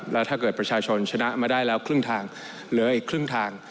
แล้วถ้าเกิดประชาชนชนะมาได้แล้วครึ่งทางเหลืออีกครึ่งทาง